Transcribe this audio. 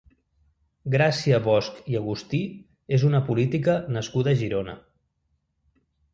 Gràcia Bosch i Agustí és una política nascuda a Girona.